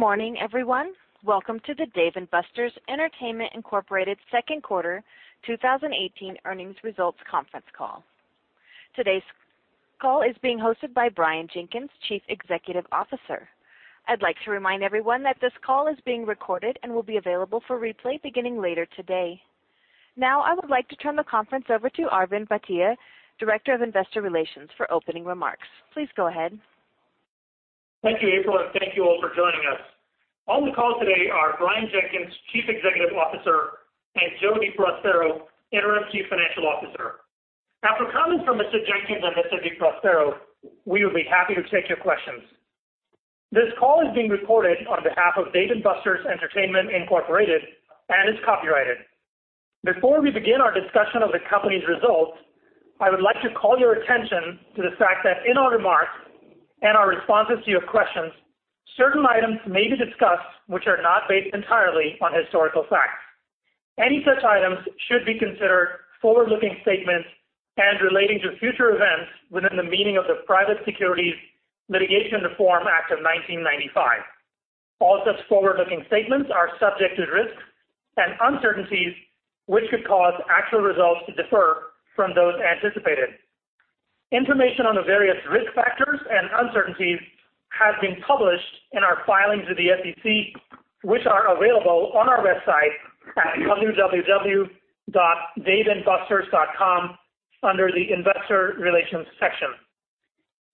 Good morning, everyone. Welcome to the Dave & Buster's Entertainment, Inc. second quarter 2018 earnings results conference call. Today's call is being hosted by Brian Jenkins, Chief Executive Officer. I'd like to remind everyone that this call is being recorded and will be available for replay beginning later today. Now, I would like to turn the conference over to Arvind Bhatia, Director of Investor Relations, for opening remarks. Please go ahead. Thank you, April, and thank you all for joining us. On the call today are Brian Jenkins, Chief Executive Officer, and Joe DeProspero, Interim Chief Financial Officer. After comments from Mr. Jenkins and Mr. DeProspero, we will be happy to take your questions. This call is being recorded on behalf of Dave & Buster's Entertainment, Inc. and is copyrighted. Before we begin our discussion of the company's results, I would like to call your attention to the fact that in our remarks and our responses to your questions, certain items may be discussed which are not based entirely on historical facts. Any such items should be considered forward-looking statements and relating to future events within the meaning of the Private Securities Litigation Reform Act of 1995. All such forward-looking statements are subject to risks and uncertainties, which could cause actual results to differ from those anticipated. Information on the various risk factors and uncertainties has been published in our filings with the SEC, which are available on our website at www.daveandbusters.com under the investor relations section.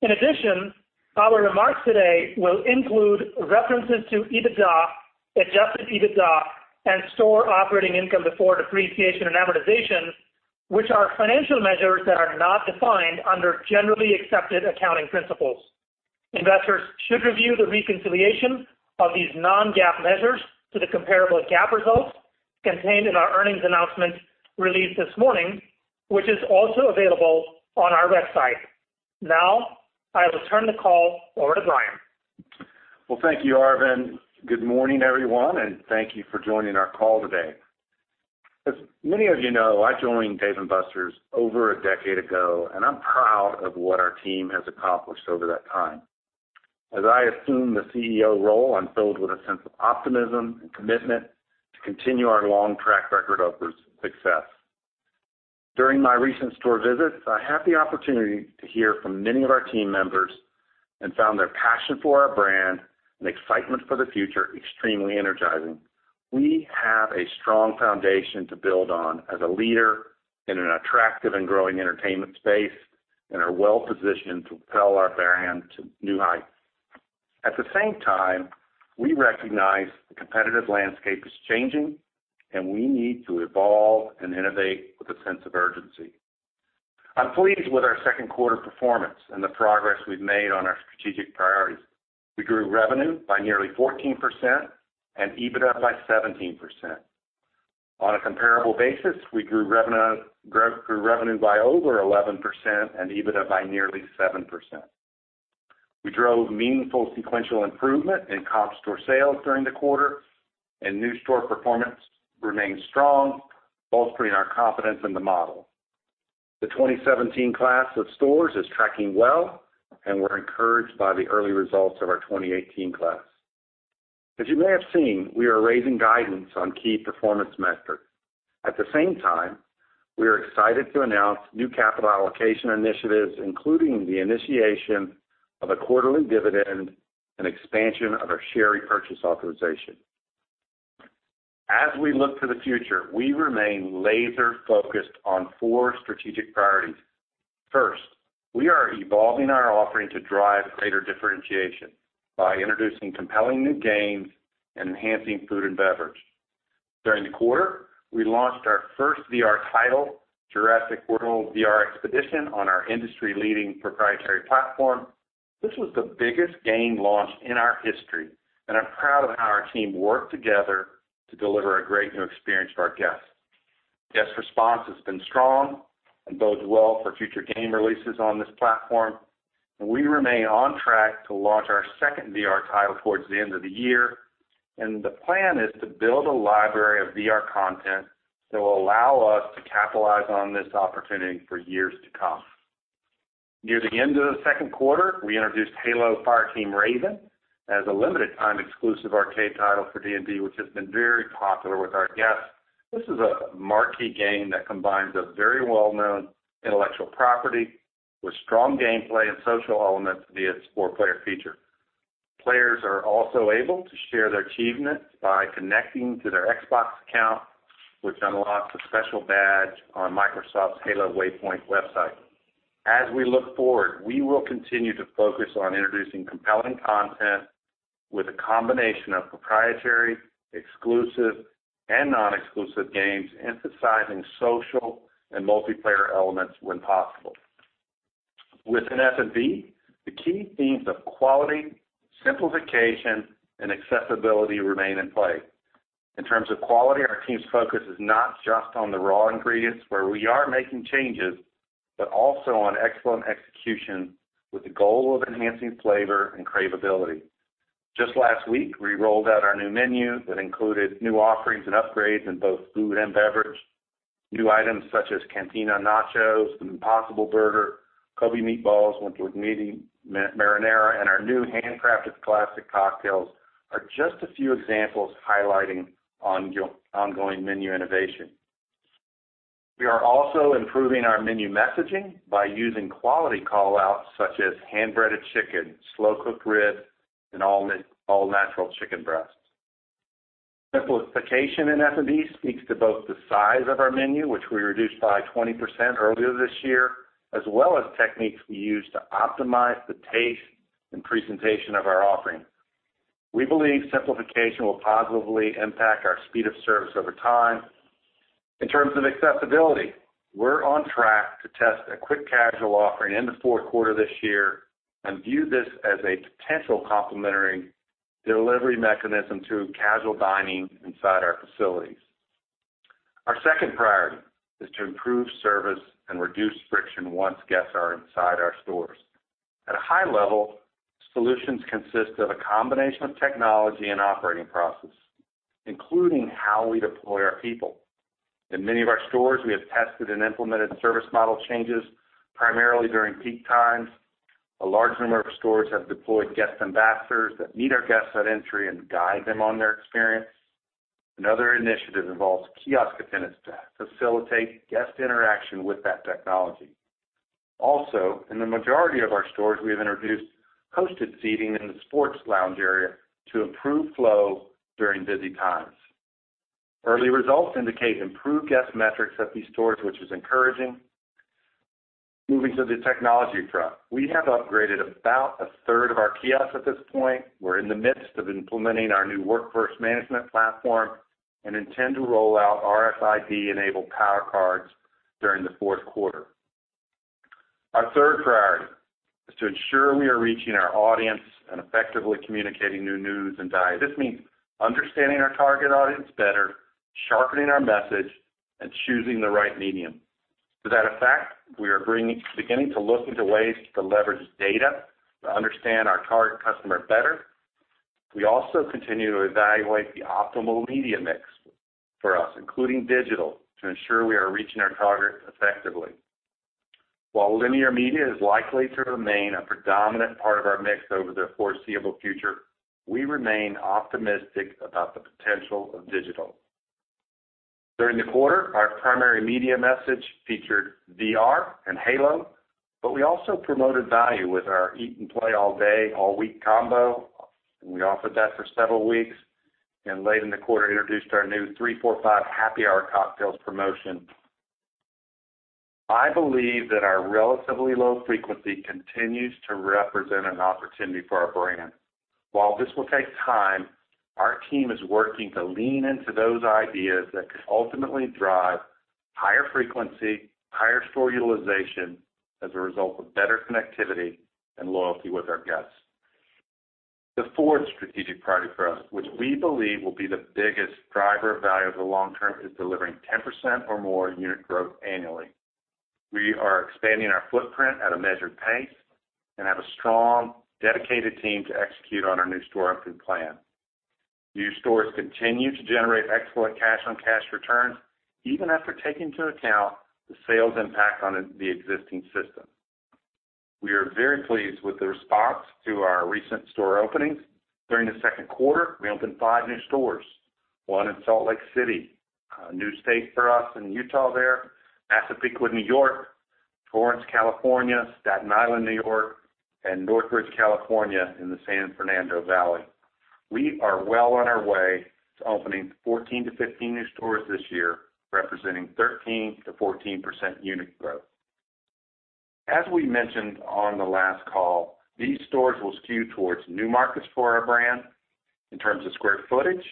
In addition, our remarks today will include references to EBITDA, Adjusted EBITDA, and store operating income before depreciation and amortization, which are financial measures that are not defined under generally accepted accounting principles. Investors should review the reconciliation of these non-GAAP measures to the comparable GAAP results contained in our earnings announcement released this morning, which is also available on our website. Now, I will turn the call over to Brian. Well, thank you, Arvind. Good morning, everyone, and thank you for joining our call today. As many of you know, I joined Dave & Buster's over a decade ago, and I'm proud of what our team has accomplished over that time. As I assume the CEO role, I'm filled with a sense of optimism and commitment to continue our long track record of success. During my recent store visits, I had the opportunity to hear from many of our team members and found their passion for our brand and excitement for the future extremely energizing. We have a strong foundation to build on as a leader in an attractive and growing entertainment space and are well-positioned to propel our brand to new heights. At the same time, we recognize the competitive landscape is changing, and we need to evolve and innovate with a sense of urgency. I'm pleased with our second quarter performance and the progress we've made on our strategic priorities. We grew revenue by nearly 14% and EBITDA by 17%. On a comparable basis, we grew revenue by over 11% and EBITDA by nearly 7%. We drove meaningful sequential improvement in Comparable store sales during the quarter, and new store performance remained strong, bolstering our confidence in the model. The 2017 class of stores is tracking well, and we're encouraged by the early results of our 2018 class. As you may have seen, we are raising guidance on key performance metrics. At the same time, we are excited to announce new capital allocation initiatives, including the initiation of a quarterly dividend and expansion of our share repurchase authorization. As we look to the future, we remain laser-focused on four strategic priorities. First, we are evolving our offering to drive greater differentiation by introducing compelling new games and enhancing food and beverage. During the quarter, we launched our first VR title, Jurassic World VR Expedition, on our industry-leading proprietary platform. This was the biggest game launch in our history, and I'm proud of how our team worked together to deliver a great new experience for our guests. Guest response has been strong and bodes well for future game releases on this platform, and we remain on track to launch our second VR title towards the end of the year. The plan is to build a library of VR content that will allow us to capitalize on this opportunity for years to come. Near the end of the second quarter, we introduced Halo: Fireteam Raven as a limited-time exclusive arcade title for D&B, which has been very popular with our guests. This is a marquee game that combines a very well-known intellectual property with strong gameplay and social elements via its four-player feature. Players are also able to share their achievements by connecting to their Xbox account, which unlocks a special badge on Microsoft's Halo Waypoint website. As we look forward, we will continue to focus on introducing compelling content with a combination of proprietary, exclusive, and non-exclusive games, emphasizing social and multiplayer elements when possible. Within F&B, the key themes of quality, simplification, and accessibility remain in play. In terms of quality, our team's focus is not just on the raw ingredients, where we are making changes, but also on excellent execution with the goal of enhancing flavor and cravability. Just last week, we rolled out our new menu that included new offerings and upgrades in both food and beverage. New items such as Cantina Nachos, an Impossible Burger, Kobe Meatballs with linguine marinara, and our new handcrafted classic cocktails are just a few examples highlighting ongoing menu innovation. We are also improving our menu messaging by using quality call-outs such as hand-breaded chicken, slow-cooked rib, and all-natural chicken breast. Simplification in F&B speaks to both the size of our menu, which we reduced by 20% earlier this year, as well as techniques we use to optimize the taste and presentation of our offering. We believe simplification will positively impact our speed of service over time. In terms of accessibility, we're on track to test a fast casual offering in the fourth quarter of this year and view this as a potential complementary delivery mechanism to casual dining inside our facilities. Our second priority is to improve service and reduce friction once guests are inside our stores. At a high level, solutions consist of a combination of technology and operating processes, including how we deploy our people. In many of our stores, we have tested and implemented service model changes, primarily during peak times. A large number of stores have deployed guest ambassadors that meet our guests at entry and guide them on their experience. Another initiative involves kiosk attendants to facilitate guest interaction with that technology. Also, in the majority of our stores, we have introduced hosted seating in the sports lounge area to improve flow during busy times. Early results indicate improved guest metrics at these stores, which is encouraging. Moving to the technology front, we have upgraded about a third of our kiosks at this point. We're in the midst of implementing our new workforce management platform and intend to roll out RFID-enabled Power Cards during the fourth quarter. Our third priority is to ensure we are reaching our audience and effectively communicating new news and value. This means understanding our target audience better, sharpening our message, and choosing the right medium. To that effect, we are beginning to look into ways to leverage data to understand our target customer better. We also continue to evaluate the optimal media mix for us, including digital, to ensure we are reaching our target effectively. While linear media is likely to remain a predominant part of our mix over the foreseeable future, we remain optimistic about the potential of digital. During the quarter, our primary media message featured VR and Halo, but we also promoted value with our Eat and Play All Day, All Week Combo, and we offered that for several weeks, and late in the quarter introduced our new 345 Happy Hour cocktails promotion. I believe that our relatively low frequency continues to represent an opportunity for our brand. While this will take time, our team is working to lean into those ideas that could ultimately drive higher frequency, higher store utilization as a result of better connectivity and loyalty with our guests. The fourth strategic priority for us, which we believe will be the biggest driver of value over the long term, is delivering 10% or more unit growth annually. We are expanding our footprint at a measured pace and have a strong, dedicated team to execute on our new store opening plan. New stores continue to generate excellent cash-on-cash returns even after taking into account the sales impact on the existing system. We are very pleased with the response to our recent store openings. During the second quarter, we opened five new stores, one in Salt Lake City, a new state for us in Utah there, Massapequa, New York, Torrance, California, Staten Island, New York, and Northridge, California in the San Fernando Valley. We are well on our way to opening 14 to 15 new stores this year, representing 13%-14% unit growth. As we mentioned on the last call, these stores will skew towards new markets for our brand. In terms of square footage,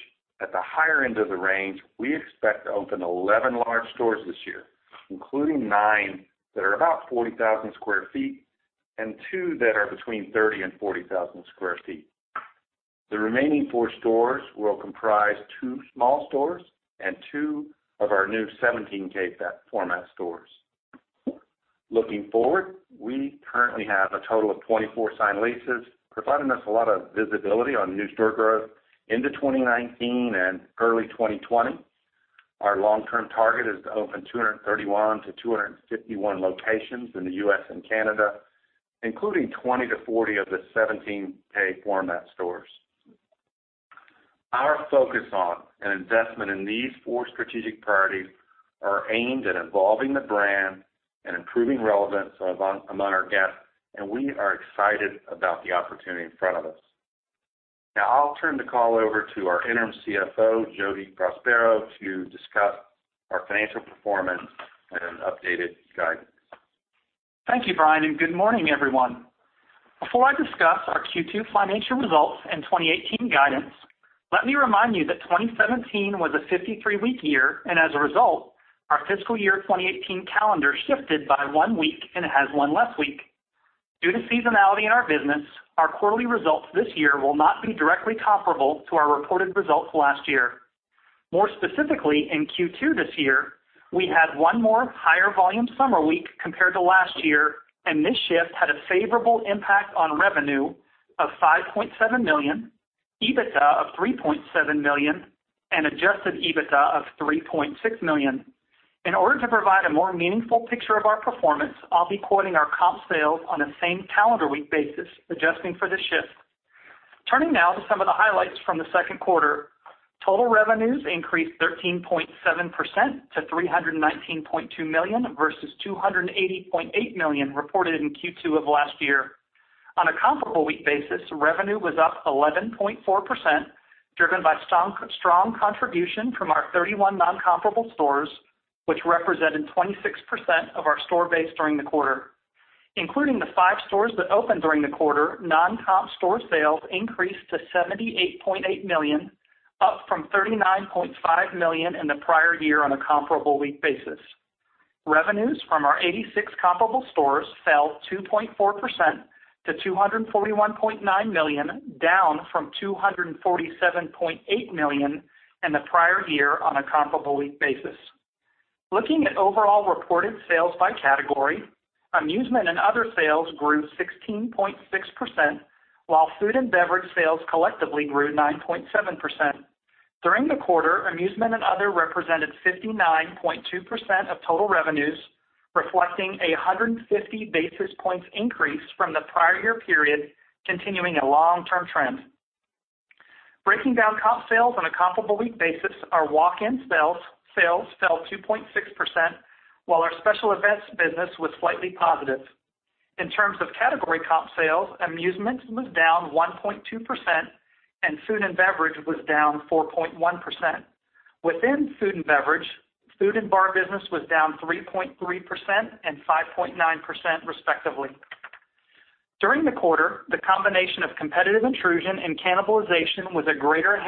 at the higher end of the range, we expect to open 11 large stores this year, including nine that are about 40,000 sq ft and two that are between 30,000 and 40,000 sq ft. The remaining four stores will comprise two small stores and two of our new 17K format stores. Looking forward, we currently have a total of 24 signed leases, providing us a lot of visibility on new store growth into 2019 and early 2020. Our long-term target is to open 231 to 251 locations in the U.S. and Canada, including 20 to 40 of the 17K format stores. Our focus on and investment in these four strategic priorities are aimed at evolving the brand and improving relevance among our guests, and we are excited about the opportunity in front of us. I'll turn the call over to our interim CFO, Joe DeProspero, to discuss our financial performance and updated guidance. Thank you, Brian. Good morning, everyone. Before I discuss our Q2 financial results and 2018 guidance, let me remind you that 2017 was a 53-week year. As a result, our fiscal year 2018 calendar shifted by one week and it has one less week. Due to seasonality in our business, our quarterly results this year will not be directly comparable to our reported results last year. More specifically, in Q2 this year, we had one more higher volume summer week compared to last year. This shift had a favorable impact on revenue of $5.7 million, EBITDA of $3.7 million, and Adjusted EBITDA of $3.6 million. In order to provide a more meaningful picture of our performance, I'll be quoting our comp sales on a same calendar week basis, adjusting for the shift. Turning now to some of the highlights from the second quarter. Total revenues increased 13.7% to $319.2 million versus $280.8 million reported in Q2 of last year. On a comparable week basis, revenue was up 11.4%, driven by strong contribution from our 31 non-comparable stores, which represented 26% of our store base during the quarter. Including the five stores that opened during the quarter, non-comp store sales increased to $78.8 million, up from $39.5 million in the prior year on a comparable week basis. Revenues from our 86 comparable stores fell 2.4% to $241.9 million, down from $247.8 million in the prior year on a comparable week basis. Looking at overall reported sales by category, amusement and other sales grew 16.6%, while food and beverage sales collectively grew 9.7%. During the quarter, amusement and other represented 59.2% of total revenues, reflecting 150 basis points increase from the prior year period, continuing a long-term trend. Breaking down comp sales on a comparable week basis, our walk-in sales fell 2.6%, while our special events business was slightly positive. In terms of category comp sales, amusements was down 1.2%, and food and beverage was down 4.1%. Within food and beverage, food and bar business was down 3.3% and 5.9% respectively. During the quarter, the combination of competitive intrusion and cannibalization was a greater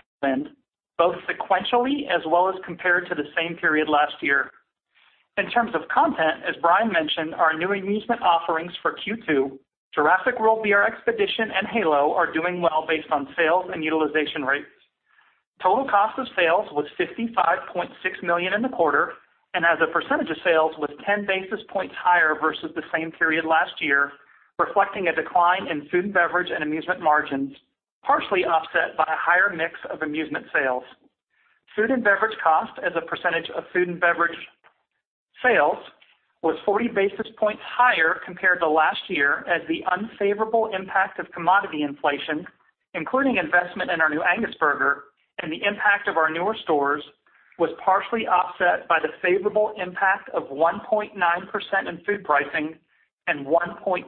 both sequentially as well as compared to the same period last year. In terms of content, as Brian mentioned, our new amusement offerings for Q2, Jurassic World VR Expedition and Halo are doing well based on sales and utilization rates. Total cost of sales was $55.6 million in the quarter, as a percentage of sales was 10 basis points higher versus the same period last year, reflecting a decline in food and beverage and amusement margins, partially offset by a higher mix of amusement sales. Food and beverage cost as a percentage of food and beverage sales was 40 basis points higher compared to last year as the unfavorable impact of commodity inflation, including investment in our new Angus burger and the impact of our newer stores was partially offset by the favorable impact of 1.9% in food pricing and 1.1%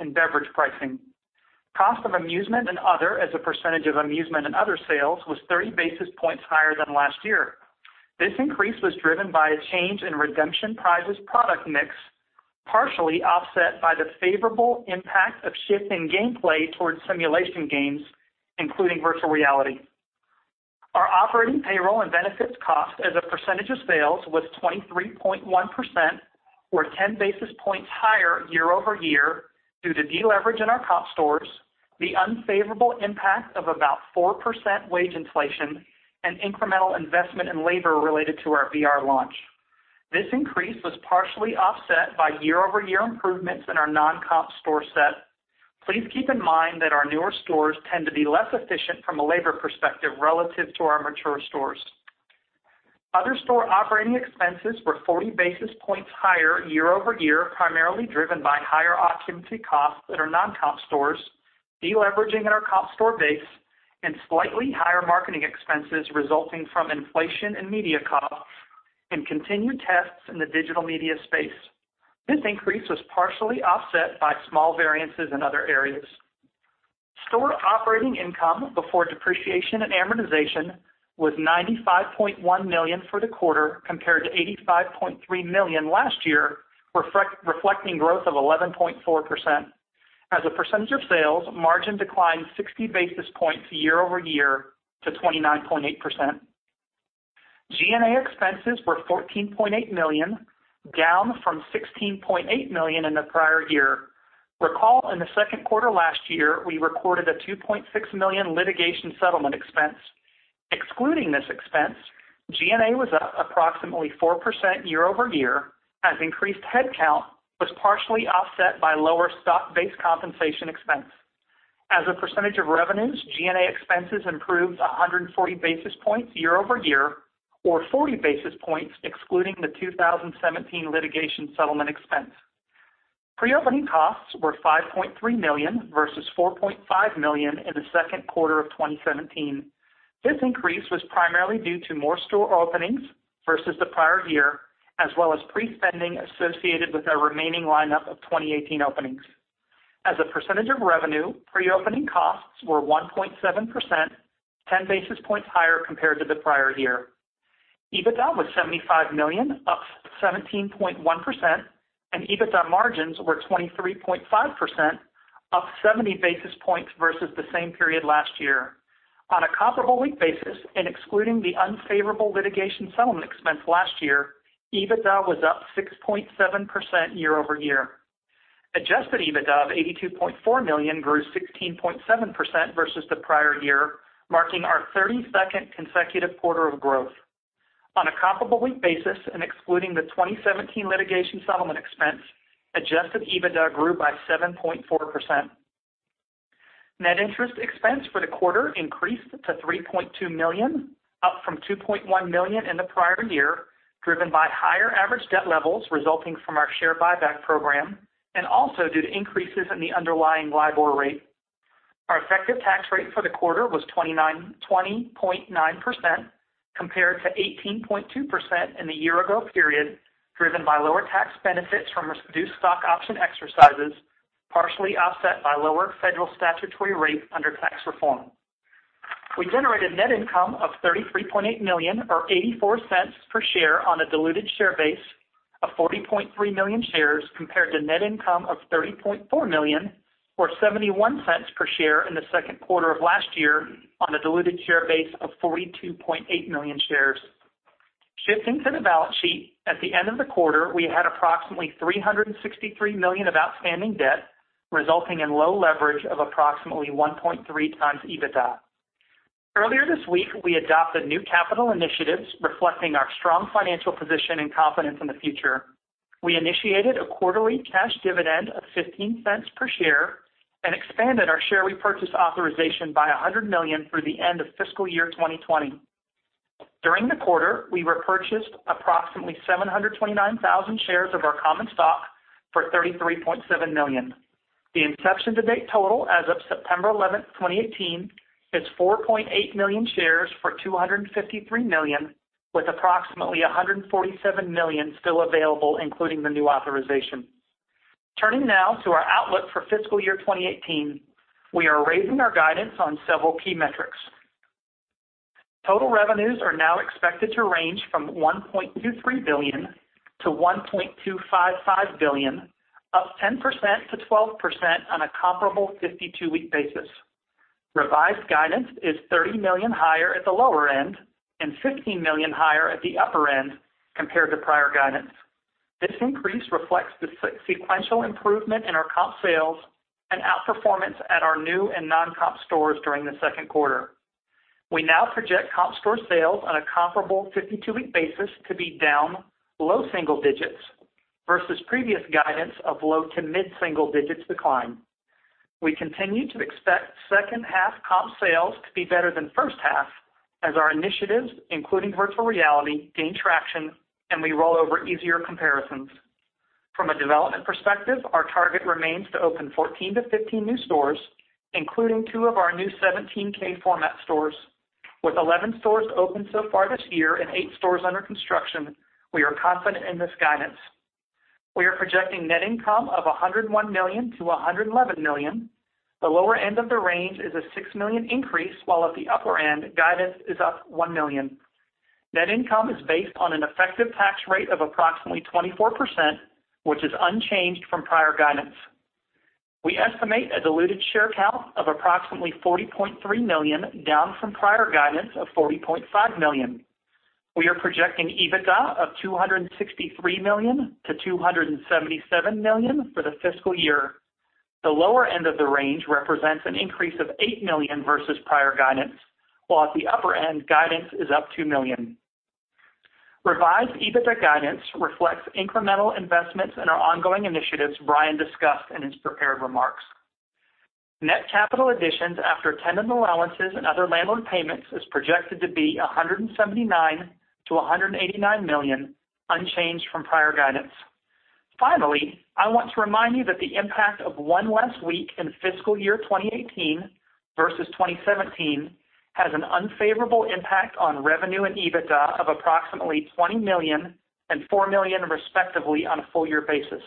in beverage pricing. Cost of amusement and other as a percentage of amusement and other sales was 30 basis points higher than last year. This increase was driven by a change in redemption prizes product mix, partially offset by the favorable impact of shifting gameplay towards simulation games, including virtual reality. Our operating payroll and benefits cost as a percentage of sales was 23.1%, or 10 basis points higher year-over-year due to deleverage in our comp stores, the unfavorable impact of about 4% wage inflation and incremental investment in labor related to our VR launch. This increase was partially offset by year-over-year improvements in our non-comp store set. Please keep in mind that our newer stores tend to be less efficient from a labor perspective relative to our mature stores. Other store operating expenses were 40 basis points higher year-over-year, primarily driven by higher occupancy costs at our non-comp stores, deleveraging at our comp store base, and slightly higher marketing expenses resulting from inflation and media costs and continued tests in the digital media space. This increase was partially offset by small variances in other areas. Store operating income before depreciation and amortization was $95.1 million for the quarter compared to $85.3 million last year, reflecting growth of 11.4%. As a percentage of sales, margin declined 60 basis points year-over-year to 29.8%. G&A expenses were $14.8 million, down from $16.8 million in the prior year. Recall in the second quarter last year, we recorded a $2.6 million litigation settlement expense. Excluding this expense, G&A was up approximately 4% year-over-year, as increased headcount was partially offset by lower stock-based compensation expense. As a percentage of revenues, G&A expenses improved 140 basis points year-over-year or 40 basis points excluding the 2017 litigation settlement expense. Pre-opening costs were $5.3 million versus $4.5 million in the second quarter of 2017. This increase was primarily due to more store openings versus the prior year, as well as pre-spending associated with our remaining lineup of 2018 openings. As a percentage of revenue, pre-opening costs were 1.7%, 10 basis points higher compared to the prior year. EBITDA was $75 million, up 17.1%, and EBITDA margins were 23.5%, up 70 basis points versus the same period last year. On a comparable week basis and excluding the unfavorable litigation settlement expense last year, EBITDA was up 6.7% year-over-year. Adjusted EBITDA of $82.4 million grew 16.7% versus the prior year, marking our 32nd consecutive quarter of growth. On a comparable week basis and excluding the 2017 litigation settlement expense, Adjusted EBITDA grew by 7.4%. Net interest expense for the quarter increased to $3.2 million, up from $2.1 million in the prior year, driven by higher average debt levels resulting from our share buyback program and also due to increases in the underlying LIBOR rate. Our effective tax rate for the quarter was 20.9%, compared to 18.2% in the year-ago period, driven by lower tax benefits from reduced stock option exercises, partially offset by lower federal statutory rates under tax reform. We generated net income of $33.8 million, or $0.84 per share on a diluted share base of 40.3 million shares, compared to net income of $30.4 million or $0.71 per share in the second quarter of last year on a diluted share base of 42.8 million shares. Shifting to the balance sheet, at the end of the quarter, we had approximately $363 million of outstanding debt, resulting in low leverage of approximately 1.3 times EBITDA. Earlier this week, we adopted new capital initiatives reflecting our strong financial position and confidence in the future. We initiated a quarterly cash dividend of $0.15 per share and expanded our share repurchase authorization by $100 million through the end of fiscal year 2020. During the quarter, we repurchased approximately 729,000 shares of our common stock for $33.7 million. The inception-to-date total as of September 11, 2018, is 4.8 million shares for $253 million, with approximately $147 million still available, including the new authorization. Turning now to our outlook for fiscal year 2018, we are raising our guidance on several key metrics. Total revenues are now expected to range from $1.23 billion-$1.255 billion, up 10%-12% on a comparable 52-week basis. Revised guidance is $30 million higher at the lower end and $15 million higher at the upper end compared to prior guidance. This increase reflects the sequential improvement in our comp sales and outperformance at our new and non-comp stores during the second quarter. We now project Comparable store sales on a comparable 52-week basis to be down low single digits versus previous guidance of low to mid single digits decline. We continue to expect second-half comp sales to be better than first half as our initiatives, including virtual reality, gain traction and we roll over easier comparisons. From a development perspective, our target remains to open 14 to 15 new stores, including two of our new 17K format stores. With 11 stores opened so far this year and eight stores under construction, we are confident in this guidance. We are projecting net income of $101 million-$111 million. The lower end of the range is a $6 million increase, while at the upper end, guidance is up $1 million. Net income is based on an effective tax rate of approximately 24%, which is unchanged from prior guidance. We estimate a diluted share count of approximately 40.3 million, down from prior guidance of 40.5 million. We are projecting EBITDA of $263 million-$277 million for the fiscal year. The lower end of the range represents an increase of $8 million versus prior guidance, while at the upper end, guidance is up $2 million. Revised EBITDA guidance reflects incremental investments in our ongoing initiatives Brian discussed in his prepared remarks. Net capital additions after tenant allowances and other landlord payments is projected to be $179 million-$189 million, unchanged from prior guidance. Finally, I want to remind you that the impact of one less week in fiscal year 2018 versus 2017 has an unfavorable impact on revenue and EBITDA of approximately $20 million and $4 million, respectively, on a full-year basis.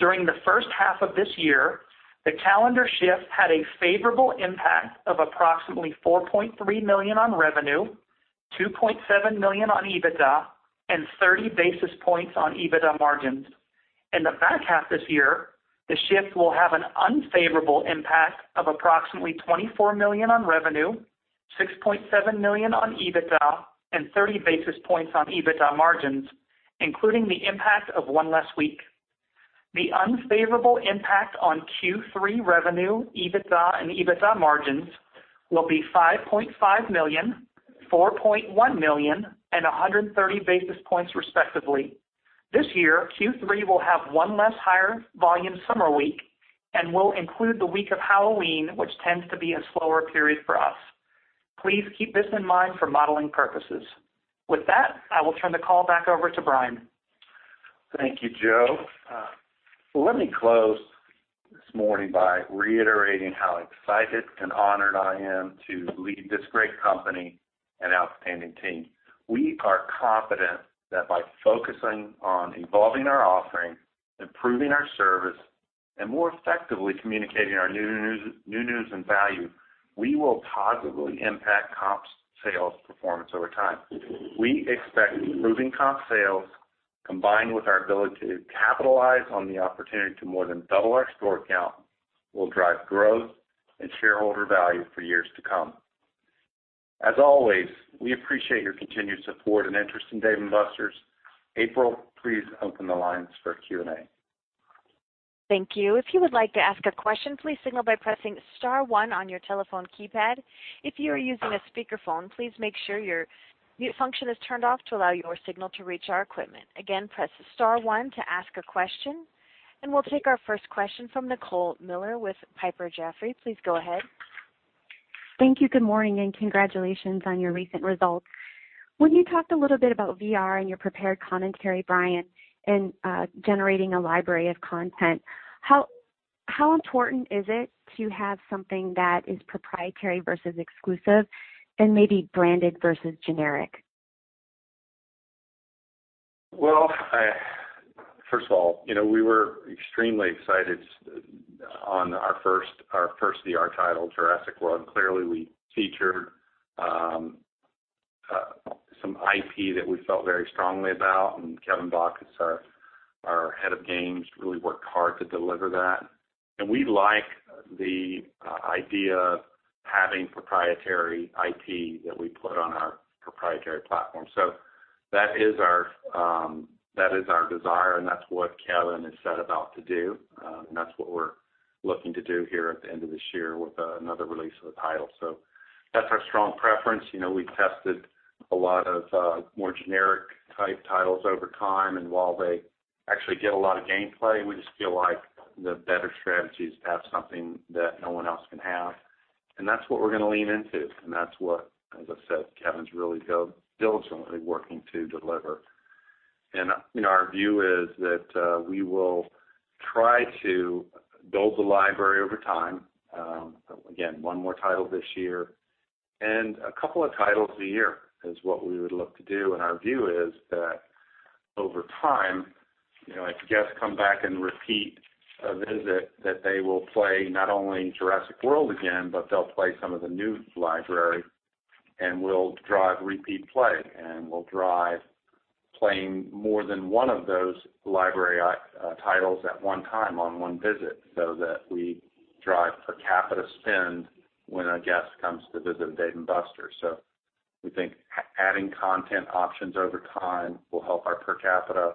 During the first half of this year, the calendar shift had a favorable impact of approximately $4.3 million on revenue, $2.7 million on EBITDA, and 30 basis points on EBITDA margins. In the back half this year, the shift will have an unfavorable impact of approximately $24 million on revenue, $6.7 million on EBITDA, and 30 basis points on EBITDA margins, including the impact of one less week. The unfavorable impact on Q3 revenue, EBITDA, and EBITDA margins will be $5.5 million, $4.1 million, and 130 basis points, respectively. This year, Q3 will have one less higher volume summer week and will include the week of Halloween, which tends to be a slower period for us. Please keep this in mind for modeling purposes. I will turn the call back over to Brian. Thank you, Joe. Let me close this morning by reiterating how excited and honored I am to lead this great company and outstanding team. We are confident that by focusing on evolving our offering, improving our service, and more effectively communicating our newness and value, we will positively impact comp sales performance over time. We expect improving comp sales, combined with our ability to capitalize on the opportunity to more than double our store count, will drive growth and shareholder value for years to come. As always, we appreciate your continued support and interest in Dave & Buster's. April, please open the lines for Q&A. Thank you. If you would like to ask a question, please signal by pressing star one on your telephone keypad. If you are using a speakerphone, please make sure your mute function is turned off to allow your signal to reach our equipment. Again, press star one to ask a question, and we'll take our first question from Nicole Miller with Piper Jaffray. Please go ahead. Thank you. Good morning. Congratulations on your recent results. You talked a little bit about VR in your prepared commentary, Brian Jenkins, and generating a library of content. How important is it to have something that is proprietary versus exclusive and maybe branded versus generic? Well, first of all, we were extremely excited on our first VR title, "Jurassic World." Clearly, we featured some IP that we felt very strongly about. Kevin Bachus, our head of games, really worked hard to deliver that. We like the idea of having proprietary IP that we put on our proprietary platform. That is our desire, and that's what Kevin Bachus has set about to do. That's what we're looking to do here at the end of this year with another release of the title. That's our strong preference. We tested a lot of more generic-type titles over time. While they actually get a lot of gameplay, we just feel like the better strategy is to have something that no one else can have. That's what we're going to lean into, and that's what, as I said, Kevin Bachus is really diligently working to deliver. Our view is that we will try to build the library over time. Again, one more title this year and a couple of titles a year is what we would look to do. Our view is that over time, if guests come back and repeat a visit, that they will play not only "Jurassic World" again, but they'll play some of the new library, and we'll drive repeat play, and we'll drive playing more than one of those library titles at one time on one visit so that we drive per capita spend when a guest comes to visit Dave & Buster's. We think adding content options over time will help our per capita,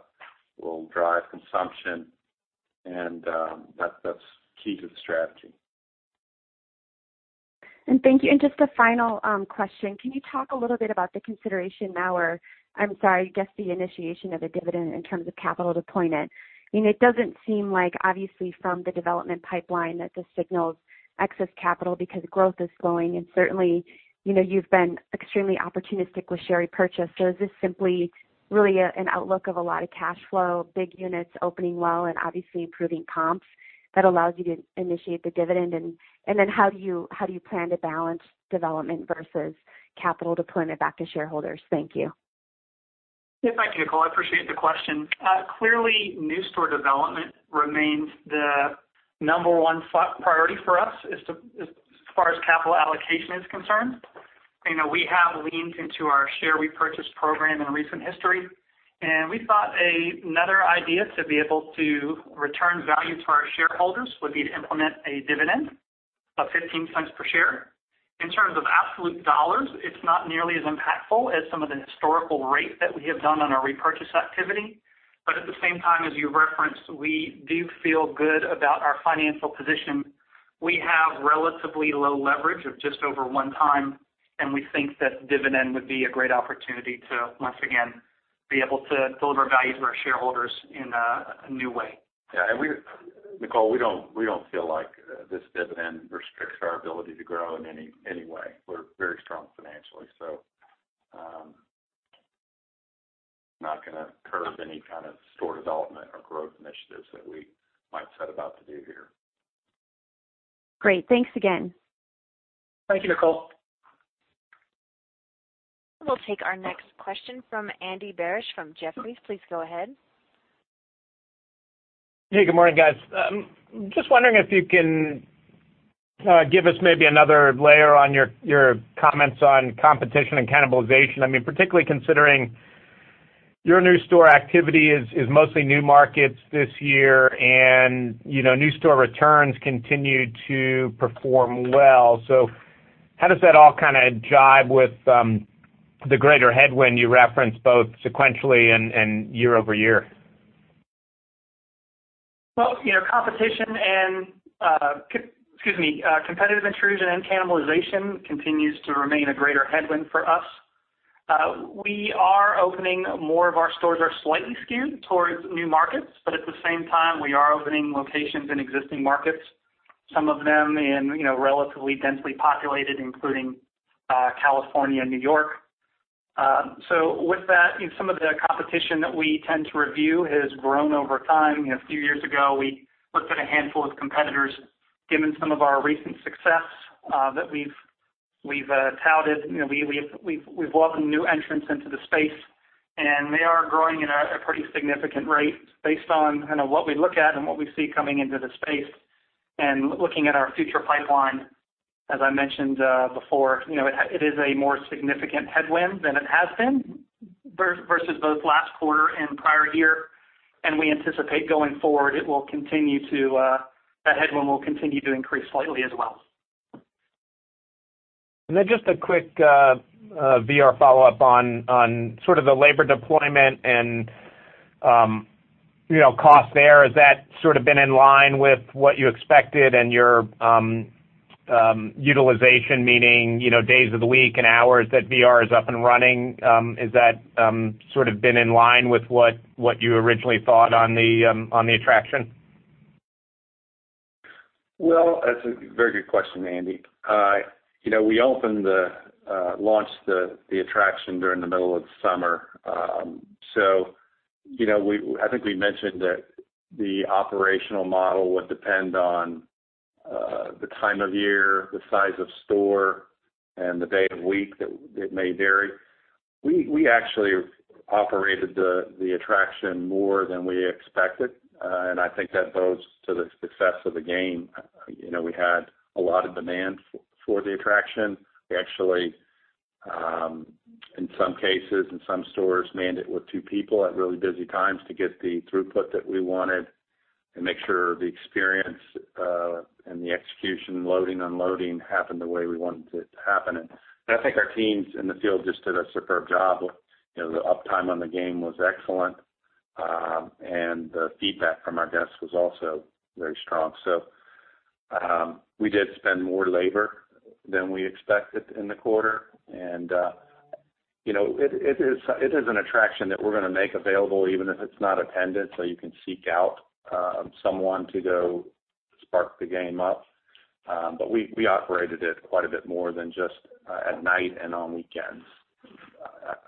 will drive consumption, and that's key to the strategy. Thank you. Just a final question. Can you talk a little bit about the consideration now or, I'm sorry, I guess, the initiation of a dividend in terms of capital deployment? It doesn't seem like, obviously, from the development pipeline that this signals excess capital because growth is slowing. Certainly, you've been extremely opportunistic with share repurchase. Is this simply really an outlook of a lot of cash flow, big units opening well, and obviously improving comps that allows you to initiate the dividend? How do you plan to balance development versus capital deployment back to shareholders? Thank you. Yeah. Thank you, Nicole. I appreciate the question. Clearly, new store development remains the number one priority for us as far as capital allocation is concerned. We have leaned into our share repurchase program in recent history. We thought another idea to be able to return value to our shareholders would be to implement a dividend of $0.15 per share. In terms of absolute dollars, it's not nearly as impactful as some of the historical rate that we have done on our repurchase activity. At the same time, as you referenced, we do feel good about our financial position. We have relatively low leverage of just over one time. We think that dividend would be a great opportunity to, once again, be able to deliver value to our shareholders in a new way. Yeah. Nicole, we don't feel like this dividend restricts our ability to grow in any way. We're very strong financially, so not going to curb any kind of store development or growth initiatives that we might set about to do here. Great. Thanks again. Thank you, Nicole. We'll take our next question from Andy Barish from Jefferies. Please go ahead. Hey, good morning, guys. Just wondering if you can give us maybe another layer on your comments on competition and cannibalization. Particularly considering your new store activity is mostly new markets this year, and new store returns continue to perform well. How does that all jive with the greater headwind you referenced, both sequentially and year-over-year? Well, competitive intrusion and cannibalization continues to remain a greater headwind for us. We are opening more of our stores are slightly skewed towards new markets, but at the same time, we are opening locations in existing markets, some of them in relatively densely populated, including California and New York. With that, some of the competition that we tend to review has grown over time. A few years ago, we looked at a handful of competitors. Given some of our recent success that we've touted, we've welcomed new entrants into the space, and they are growing at a pretty significant rate based on what we look at and what we see coming into the space. Looking at our future pipeline, as I mentioned before, it is a more significant headwind than it has been versus both last quarter and prior year, and we anticipate going forward, that headwind will continue to increase slightly as well. Just a quick VR follow-up on sort of the labor deployment and cost there. Has that sort of been in line with what you expected and your utilization, meaning, days of the week and hours that VR is up and running, has that sort of been in line with what you originally thought on the attraction? Well, that's a very good question, Andy. We launched the attraction during the middle of the summer. I think we mentioned that the operational model would depend on the time of year, the size of store, and the day of week that it may vary. We actually operated the attraction more than we expected. I think that bodes to the success of the game. We had a lot of demand for the attraction. We actually, in some cases, in some stores, manned it with two people at really busy times to get the throughput that we wanted and make sure the experience, and the execution loading, unloading happened the way we wanted it to happen. I think our teams in the field just did a superb job. The uptime on the game was excellent. The feedback from our guests was also very strong. We did spend more labor than we expected in the quarter. It is an attraction that we're going to make available even if it's not attended, so you can seek out someone to go spark the game up. We operated it quite a bit more than just at night and on weekends.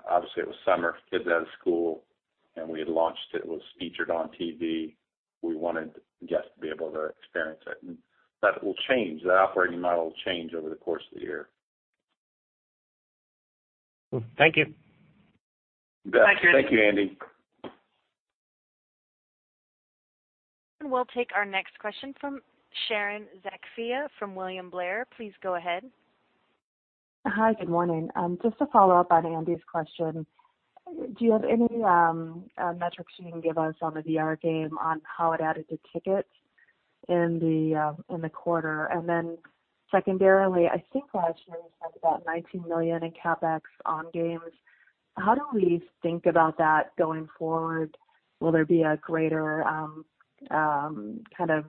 Obviously, it was summer, kids out of school, we had launched it. It was featured on TV. We wanted guests to be able to experience it. That will change. That operating model will change over the course of the year. Thank you. Thank you, Andy. We'll take our next question from Sharon Zackfia from William Blair. Please go ahead. Hi. Good morning. Just to follow up on Andy's question, do you have any metrics you can give us on the VR game on how it added to tickets in the quarter? Then secondarily, I think last year you talked about $19 million in CapEx on games. How do we think about that going forward? Will there be a greater kind of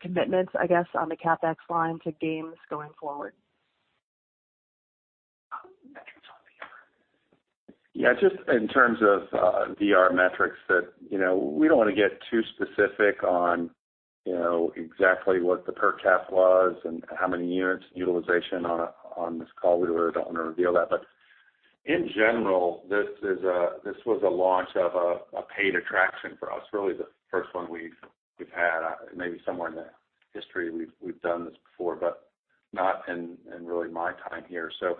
commitments, I guess, on the CapEx line to games going forward? Just in terms of VR metrics that, we don't want to get too specific on exactly what the per capita was and how many units utilization on this call. We really don't want to reveal that. In general, this was a launch of a paid attraction for us. Really the first one we've had. Maybe somewhere in the history we've done this before, but not in really my time here. So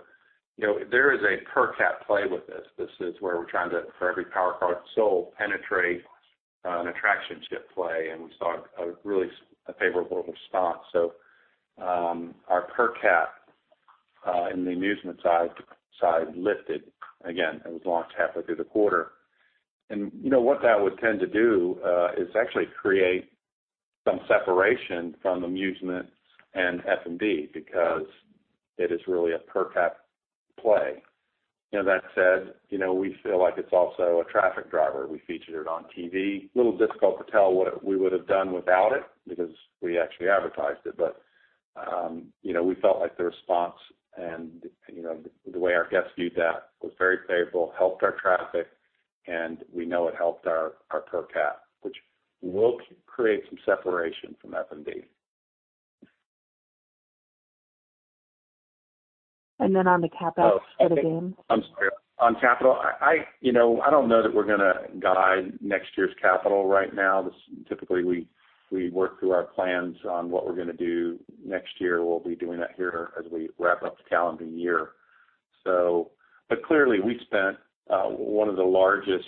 there is a per-cap play with this. This is where we're trying to, for every Power Card sold, penetrate an attraction-ship play. We saw a really favorable response. So, our per capita, in the amusement side lifted. Again, it was launched halfway through the quarter. What that would tend to do, is actually create some separation from amusement and F&B because it is really a per-cap play. That said, we feel like it's also a traffic driver. We featured it on TV. A little difficult to tell what we would have done without it because we actually advertised it. We felt like the response and the way our guests viewed that was very favorable, helped our traffic, and we know it helped our per capita, which will create some separation from F&B. On the CapEx for the game. I'm sorry. On capital, I don't know that we're going to guide next year's capital right now. Typically, we work through our plans on what we're going to do next year. We'll be doing that here as we wrap up the calendar year. Clearly, we spent one of the largest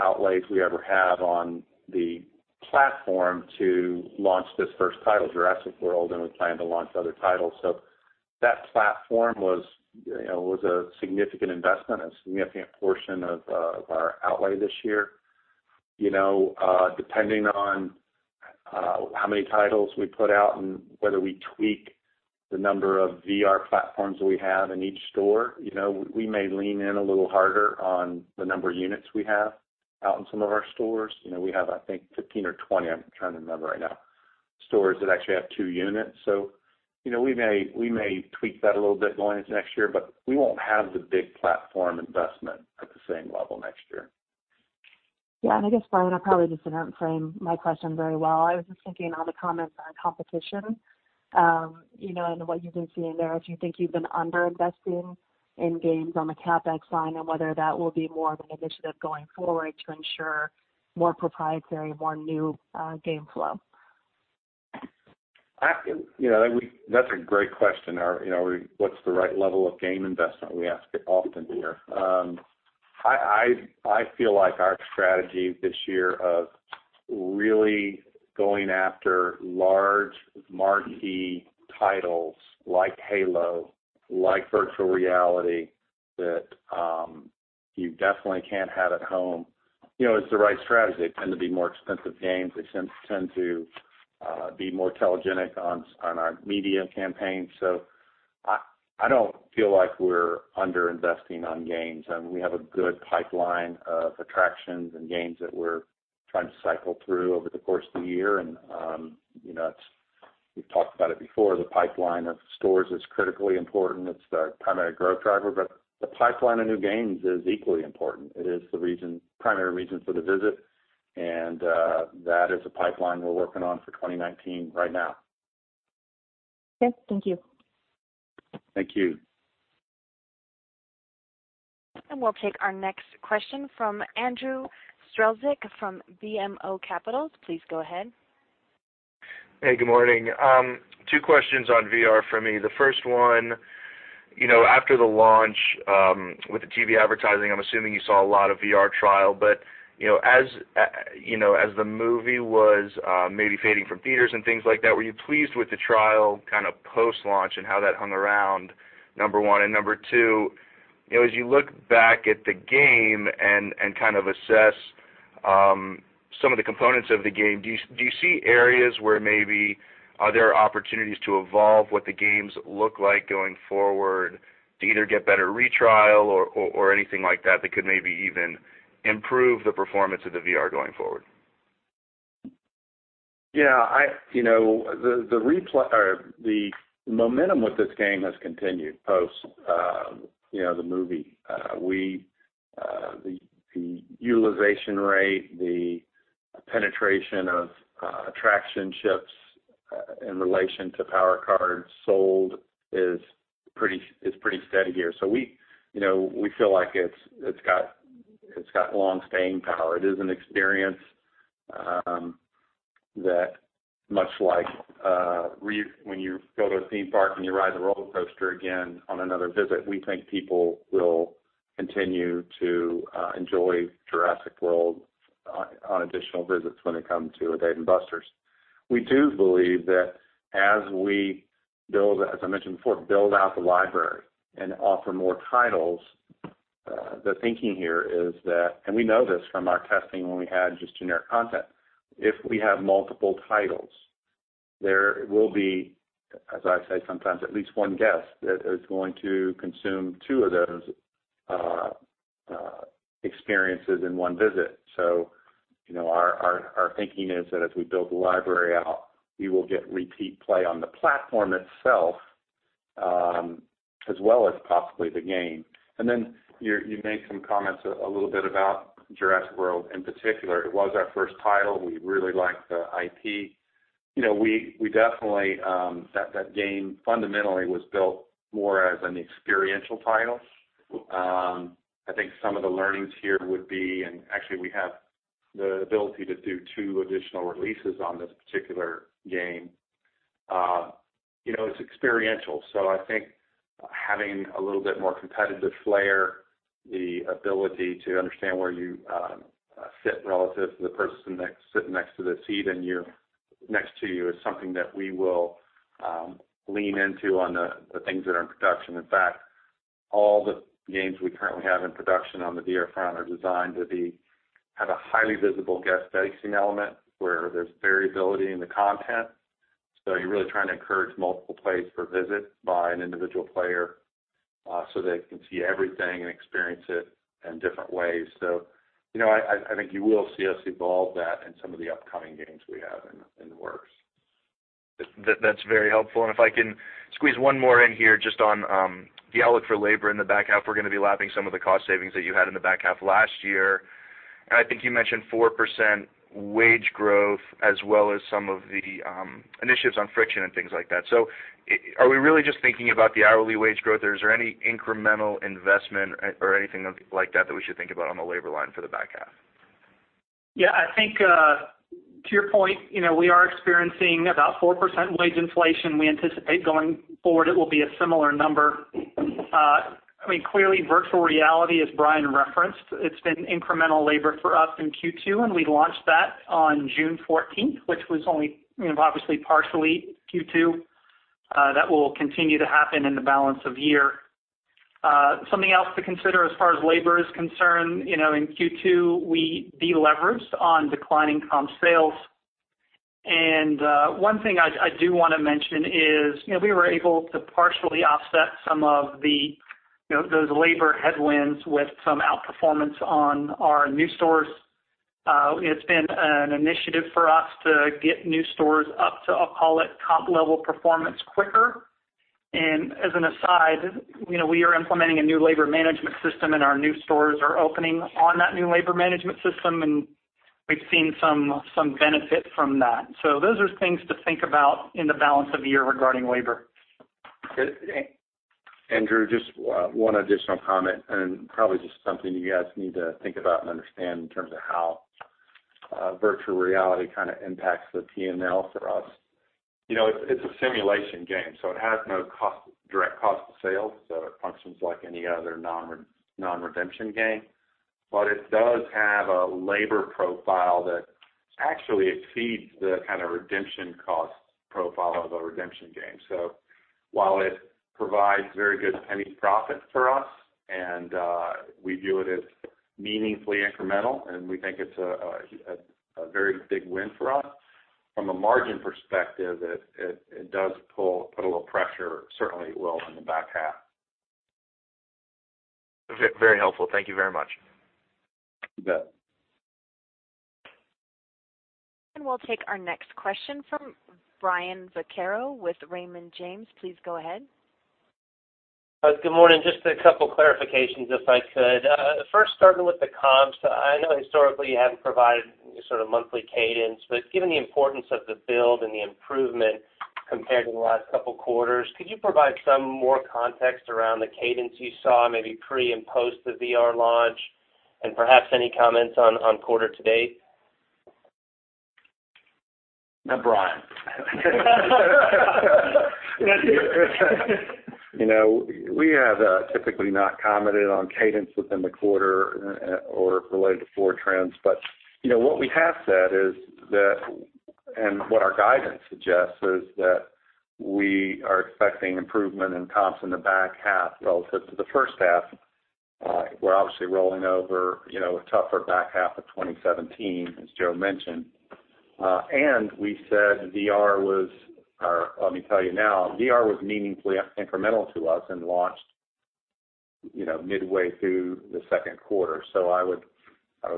outlays we ever have on the platform to launch this first title, "Jurassic World," and we plan to launch other titles. That platform was a significant investment, a significant portion of our outlay this year. Depending on how many titles we put out and whether we tweak the number of VR platforms that we have in each store, we may lean in a little harder on the number of units we have out in some of our stores. We have, I think, 15 or 20, I'm trying to remember right now, stores that actually have two units. We may tweak that a little bit going into next year, but we won't have the big platform investment at the same level next year. I guess, Brian, I probably just didn't frame my question very well. I was just thinking on the comments on competition, and what you've been seeing there, if you think you've been under-investing in games on the CapEx line, and whether that will be more of an initiative going forward to ensure more proprietary, more new game flow. That's a great question. What's the right level of game investment? We ask it often here. I feel like our strategy this year of really going after large marquee titles like Halo, like virtual reality, that you definitely can't have at home. It's the right strategy. They tend to be more expensive games. They tend to be more telegenic on our media campaigns. I don't feel like we're under-investing on games. We have a good pipeline of attractions and games that we're trying to cycle through over the course of the year. We've talked about it before, the pipeline of stores is critically important. It's the primary growth driver, but the pipeline of new games is equally important. It is the primary reason for the visit, and that is a pipeline we're working on for 2019 right now. Okay. Thank you. Thank you. We'll take our next question from Andrew Strelzik from BMO Capital. Please go ahead. Hey, good morning. Two questions on VR from me. The first one, after the launch with the TV advertising, I'm assuming you saw a lot of VR trial, but as the movie was maybe fading from theaters and things like that, were you pleased with the trial kind of post-launch and how that hung around? Number one. Number two, as you look back at the game and kind of assess some of the components of the game, do you see areas where maybe are there opportunities to evolve what the games look like going forward to either get better retrial or anything like that could maybe even improve the performance of the VR going forward? Yeah. The momentum with this game has continued post the movie. The utilization rate, the penetration of attraction ships in relation to Power Cards sold is pretty steady here. We feel like it's got long staying power. It is an experience that much like when you go to a theme park and you ride the roller coaster again on another visit, we think people will continue to enjoy Jurassic World on additional visits when they come to a Dave & Buster's. We do believe that as we, as I mentioned before, build out the library and offer more titles, the thinking here is that, we know this from our testing when we had just generic content, if we have multiple titles, there will be, as I say sometimes, at least one guest that is going to consume two of those experiences in one visit. Our thinking is that as we build the library out, we will get repeat play on the platform itself, as well as possibly the game. Then you made some comments a little bit about Jurassic World in particular. It was our first title. We really liked the IP. That game fundamentally was built more as an experiential title. I think some of the learnings here would be, actually we have the ability to do two additional releases on this particular game. It's experiential. I think having a little bit more competitive flair, the ability to understand where you sit relative to the person sitting next to you, is something that we will lean into on the things that are in production. In fact, all the games we currently have in production on the VR front are designed to have a highly visible guest facing element, where there's variability in the content. You're really trying to encourage multiple plays per visit by an individual player, so they can see everything and experience it in different ways. I think you will see us evolve that in some of the upcoming games we have in the works. That's very helpful. If I can squeeze one more in here, just on the outlook for labor in the back half. We're going to be lapping some of the cost savings that you had in the back half last year. I think you mentioned 4% wage growth as well as some of the initiatives on friction and things like that. Are we really just thinking about the hourly wage growth or is there any incremental investment or anything like that we should think about on the labor line for the back half? Yeah, I think, to your point, we are experiencing about 4% wage inflation. We anticipate going forward it will be a similar number. Clearly virtual reality, as Brian referenced, it's been incremental labor for us in Q2, and we launched that on June 14th, which was only obviously partially Q2. That will continue to happen in the balance of year. Something else to consider as far as labor is concerned, in Q2, we de-leveraged on declining comp sales. One thing I do want to mention is we were able to partially offset some of those labor headwinds with some outperformance on our new stores. It's been an initiative for us to get new stores up to, I'll call it, comp level performance quicker. As an aside, we are implementing a new labor management system, and our new stores are opening on that new labor management system, and we've seen some benefit from that. Those are things to think about in the balance of the year regarding labor. Andrew, just one additional comment and probably just something you guys need to think about and understand in terms of how virtual reality kind of impacts the P&L for us. It's a simulation game, so it has no direct cost of sales. It functions like any other non-redemption game. It does have a labor profile that actually exceeds the kind of redemption cost profile of a redemption game. While it provides very good penny profit for us, and we view it as meaningfully incremental, and we think it's a very big win for us, from a margin perspective, it does put a little pressure, certainly it will in the back half. Very helpful. Thank you very much. You bet. We'll take our next question from Brian Vaccaro with Raymond James. Please go ahead. Good morning. Just a couple clarifications if I could. First, starting with the comps. I know historically you haven't provided sort of monthly cadence, but given the importance of the build and the improvement compared to the last couple quarters, could you provide some more context around the cadence you saw, maybe pre- and post-the VR launch, and perhaps any comments on quarter to date? Brian. We have typically not commented on cadence within the quarter or related to floor trends. What we have said is that, and what our guidance suggests is that we are expecting improvement in comps in the back half relative to the first half. We're obviously rolling over a tougher back half of 2017, as Joe mentioned. We said VR was, or let me tell you now, VR was meaningfully incremental to us and launched midway through the second quarter. I would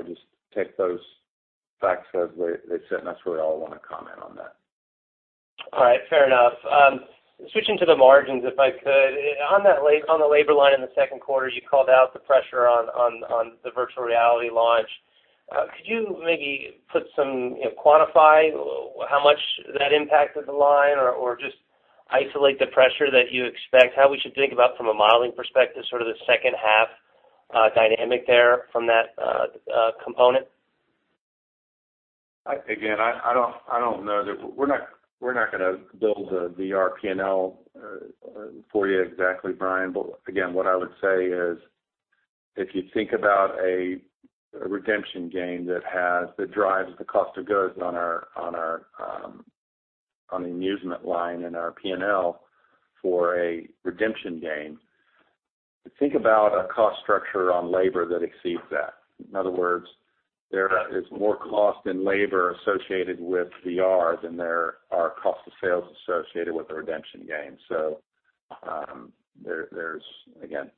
just take those facts as they sit, and that's where we all want to comment on that. All right. Fair enough. Switching to the margins, if I could. On the labor line in the second quarter, you called out the pressure on the virtual reality launch. Could you maybe quantify how much that impacted the line or just isolate the pressure that you expect, how we should think about from a modeling perspective, sort of the second half dynamic there from that component? Again, I don't know. We're not going to build a VR P&L for you exactly, Brian. Again, what I would say is if you think about a redemption game that drives the cost of goods on the amusement line in our P&L for a redemption game, think about a cost structure on labor that exceeds that. In other words, there is more cost in labor associated with VR than there are cost of sales associated with a redemption game. There's, again,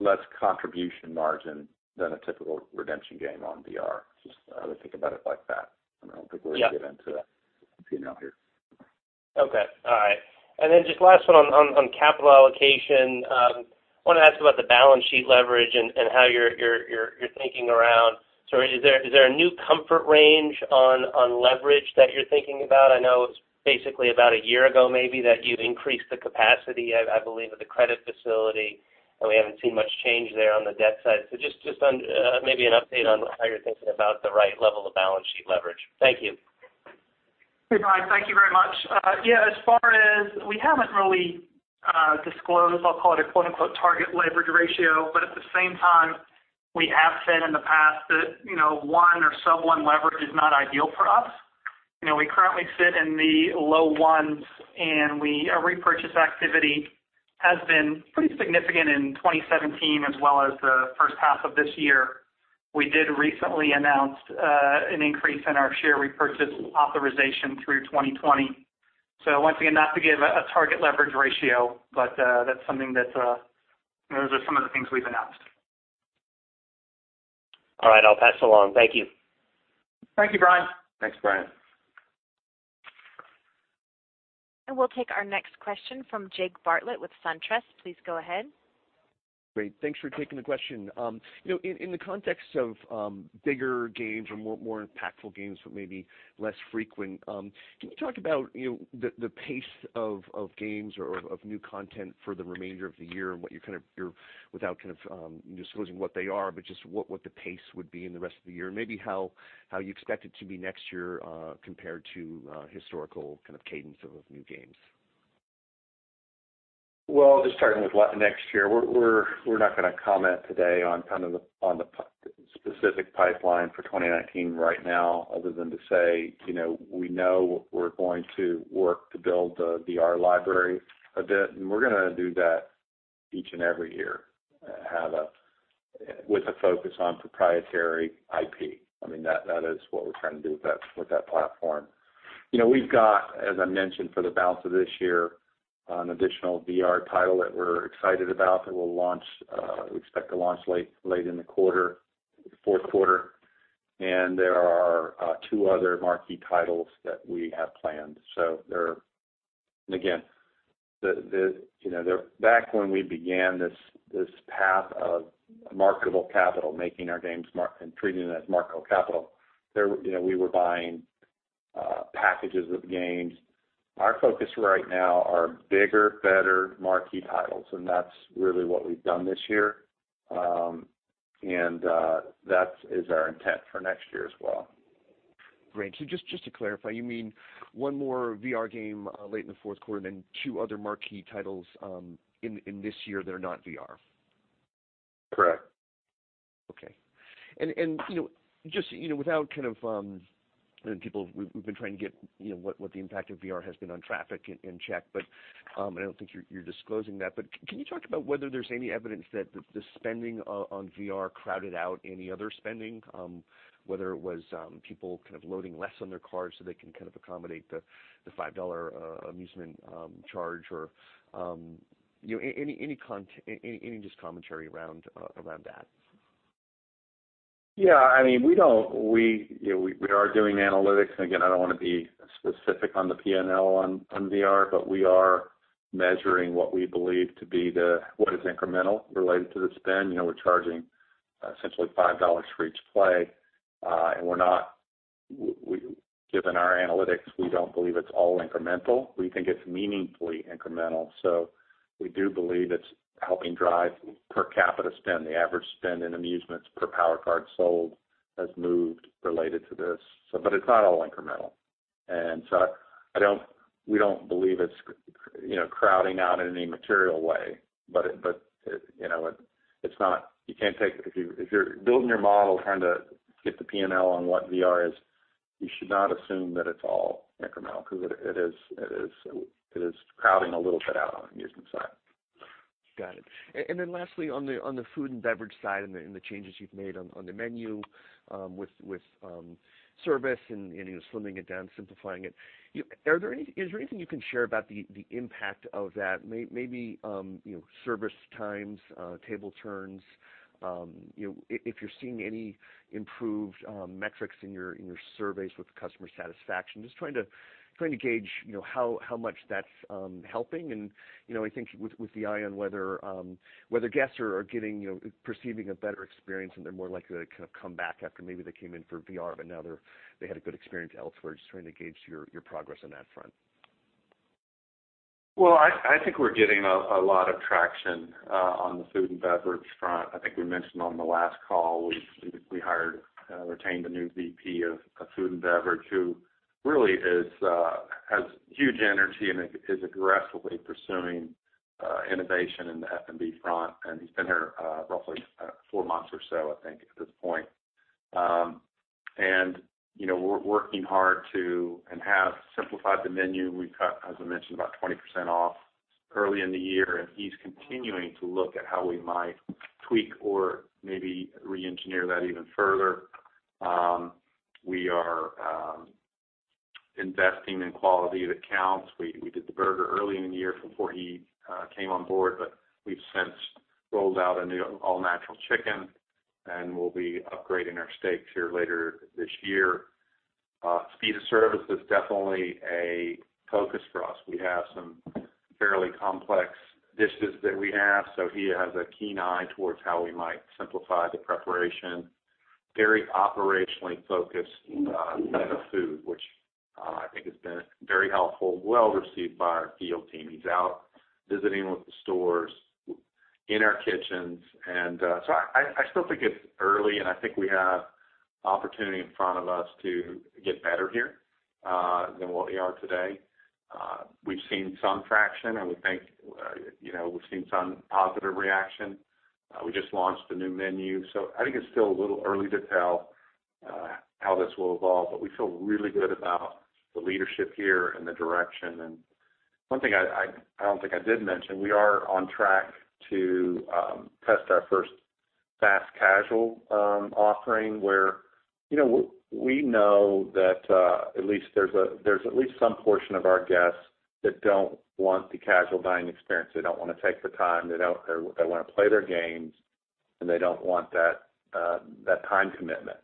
less contribution margin than a typical redemption game on VR. Just, I would think about it like that. I don't think we're going to get into that P&L here. Okay. All right. Just last one on capital allocation. I want to ask about the balance sheet leverage and how you're thinking around. Is there a new comfort range on leverage that you're thinking about? I know it's basically about a year ago, maybe, that you increased the capacity, I believe, of the credit facility. We haven't seen much change there on the debt side. Just maybe an update on how you're thinking about the right level of balance sheet leverage. Thank you. Hey, Brian. Thank you very much. As far as we haven't really disclosed, I'll call it a quote-unquote, "target leverage ratio." At the same time, we have said in the past that 1 or sub 1 leverage is not ideal for us. We currently sit in the low ones. Our repurchase activity has been pretty significant in 2017 as well as the first half of this year. We did recently announce an increase in our share repurchase authorization through 2020. Once again, not to give a target leverage ratio. Those are some of the things we've announced. All right. I'll pass along. Thank you. Thank you, Brian. Thanks, Brian. We'll take our next question from Jake Bartlett with SunTrust. Please go ahead. Great. Thanks for taking the question. In the context of bigger games or more impactful games, but maybe less frequent, can you talk about the pace of games or of new content for the remainder of the year and what you're without disclosing what they are, but just what the pace would be in the rest of the year, and maybe how you expect it to be next year compared to historical kind of cadence of new games? Well, just starting with next year, we're not going to comment today on the specific pipeline for 2019 right now, other than to say, we know we're going to work to build the VR library a bit, and we're going to do that each and every year with a focus on proprietary IP. That is what we're trying to do with that platform. We've got, as I mentioned, for the balance of this year, an additional VR title that we're excited about that we expect to launch late in the quarter, fourth quarter. There are two other marquee titles that we have planned. Again, back when we began this path of marketable capital, making our games and treating them as marketable capital, we were buying packages of games. Our focus right now are bigger, better, marquee titles, and that's really what we've done this year. That is our intent for next year as well. Great. Just to clarify, you mean one more VR game late in the fourth quarter, then two other marquee titles in this year that are not VR? Correct Just without people We've been trying to get what the impact of VR has been on traffic in check, but I don't think you're disclosing that. Can you talk about whether there's any evidence that the spending on VR crowded out any other spending, whether it was people loading less on their cars so they can accommodate the $5 amusement charge, or any just commentary around that? Yeah. We are doing analytics, and again, I don't want to be specific on the P&L on VR, but we are measuring what we believe to be what is incremental related to the spend. We're charging essentially $5 for each play. Given our analytics, we don't believe it's all incremental. We think it's meaningfully incremental. We do believe it's helping drive per capita spend. The average spend in amusements per Power Card sold has moved related to this, but it's not all incremental. We don't believe it's crowding out in any material way. If you're building your model trying to get the P&L on what VR is, you should not assume that it's all incremental because it is crowding a little bit out on the amusement side. Got it. Lastly, on the food and beverage side and the changes you've made on the menu with service and slimming it down, simplifying it, is there anything you can share about the impact of that? Maybe service times, table turns, if you're seeing any improved metrics in your surveys with customer satisfaction. Just trying to gauge how much that's helping and I think with the eye on whether guests are perceiving a better experience and they're more likely to come back after maybe they came in for VR, but now they had a good experience elsewhere. Just trying to gauge your progress on that front. Well, I think we're getting a lot of traction on the food and beverage front. I think we mentioned on the last call, we hired, retained a new VP of Food and Beverage who really has huge energy and is aggressively pursuing innovation in the F&B front. He's been here roughly four months or so, I think, at this point. We're working hard to, and have simplified the menu. We cut, as I mentioned, about 20% off early in the year. He's continuing to look at how we might tweak or maybe re-engineer that even further. We are investing in quality that counts. We did the burger early in the year before he came on board, but we've since rolled out a new all-natural chicken. We'll be upgrading our steaks here later this year. Speed of service is definitely a focus for us. We have some fairly complex dishes that we have, so he has a keen eye towards how we might simplify the preparation. Very operationally focused in the food, which I think has been very helpful. Well received by our field team. He's out visiting with the stores in our kitchens. I still think it's early, and I think we have opportunity in front of us to get better here than what we are today. We've seen some traction, and we think we've seen some positive reaction. We just launched a new menu. I think it's still a little early to tell how this will evolve, but we feel really good about the leadership here and the direction. One thing I don't think I did mention, we are on track to test our first fast casual offering where we know that there's at least some portion of our guests that don't want the casual dining experience. They don't want to take the time. They don't want to play their games, and they don't want that time commitment.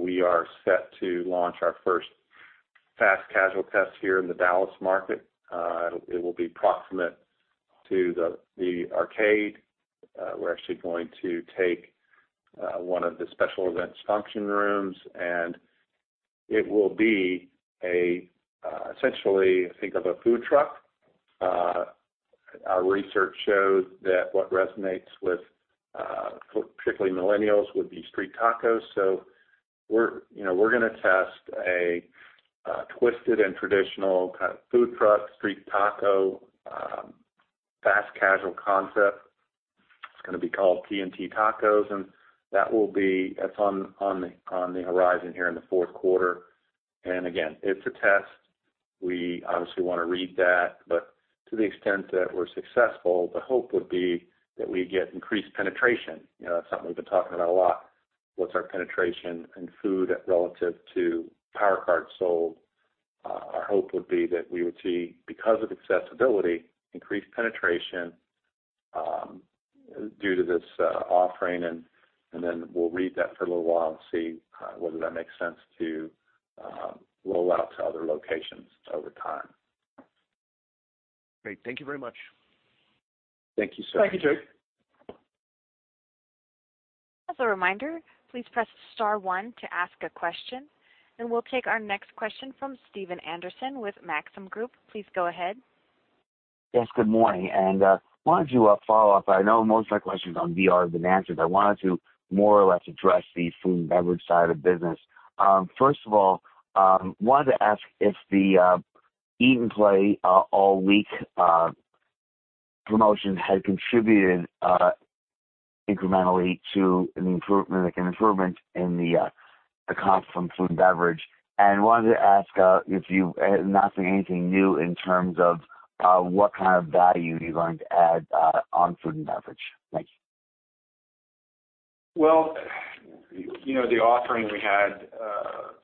We are set to launch our first fast casual test here in the Dallas market. It will be proximate to the arcade. We're actually going to take one of the special events function rooms. It will be essentially, think of a food truck. Our research shows that what resonates with particularly millennials would be street tacos. We're going to test a twisted and traditional kind of food truck, street taco, fast casual concept. It's going to be called TNT Tacos, and that's on the horizon here in the fourth quarter. Again, it's a test. We obviously want to read that, but to the extent that we're successful, the hope would be that we get increased penetration. That's something we've been talking about a lot. What's our penetration in food relative to Power Cards sold? Our hope would be that we would see, because of accessibility, increased penetration due to this offering, and then we'll read that for a little while and see whether that makes sense to roll out to other locations over time. Great. Thank you very much. Thank you, sir. Thank you, Jake. As a reminder, please press star one to ask a question. We'll take our next question from Stephen Anderson with Maxim Group. Please go ahead. Yes, good morning. I wanted to follow up. I know most of my questions on VR have been answered. I wanted to more or less address the food and beverage side of the business. First of all, wanted to ask if the eat and play all week promotions had contributed incrementally to an improvement in the comp from food and beverage. Wanted to ask if you, not saying anything new in terms of what kind of value you're going to add on food and beverage. Thank you. Well, the offering we had